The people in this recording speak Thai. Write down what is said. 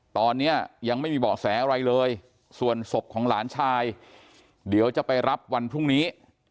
ตอนนี้ยังไม่มีเบาะแสอะไรเลยส่วนศพของหลานชายเดี๋ยวจะไปรับวันพรุ่งนี้